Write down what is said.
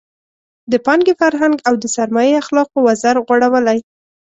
د پانګې فرهنګ او د سرمایې اخلاقو وزر غوړولی.